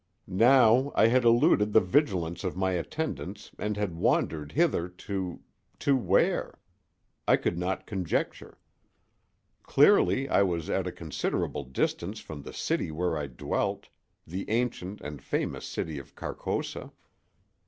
Now I had eluded the vigilance of my attendants and had wandered hither to—to where? I could not conjecture. Clearly I was at a considerable distance from the city where I dwelt—the ancient and famous city of Carcosa.